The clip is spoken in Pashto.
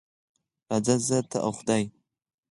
راځه زه، ته او خدای.